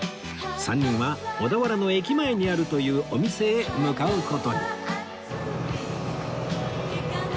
３人は小田原の駅前にあるというお店へ向かう事に